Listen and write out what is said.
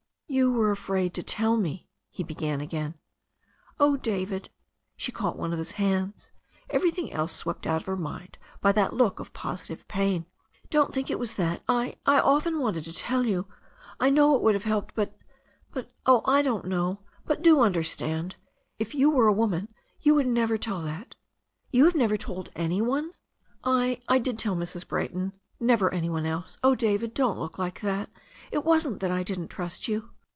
"You were afraid to tell me " he began again. "Oh, David," she caught one of his hands, everything else swept out of her mind by that look of positive pain. "Don't think it was that. I — I often wanted to tell you, I know It would have helped me, but — ^but— oh, I don't know. But do understand — if you were a woman you would never tell that." "Have you never told any one?" "I — I did tell Mrs. Brayton — ^never any one else. Oh, David, don't look like that I It wasn't that I didn't trust you."